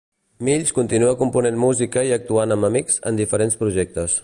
Mills continua component música i actuant amb amics en diferents projectes.